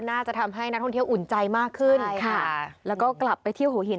น่าจะทำให้นักท่องเที่ยวอุ่นใจมากขึ้นใช่ค่ะแล้วก็กลับไปเที่ยวหัวหิน